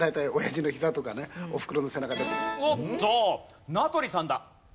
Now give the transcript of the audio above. おっと名取さんだ。